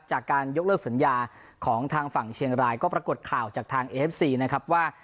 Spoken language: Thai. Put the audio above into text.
จากการยกเลิกสัญญาของทางฝั่งเชียงรายก็ปรากฏข่าวจากทางเอฟซีนะครับว่า